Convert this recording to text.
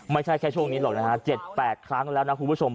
ไม่ใช่แค่ช่วงนี้หรอกนะฮะ๗๘ครั้งแล้วนะคุณผู้ชม